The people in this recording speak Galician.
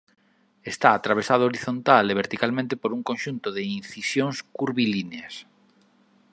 Está atravesado horizontal e verticalmente por un conxunto de incisións curvilíneas.